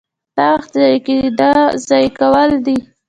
دا وخت ضایع کول دي.